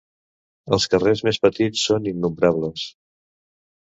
Els carrers més petits són innombrables.